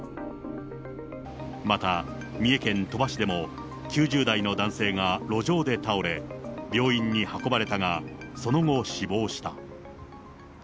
また、三重県鳥羽市でも９０代の男性が路上で倒れ、病院に運ばれたが、その後、死亡した。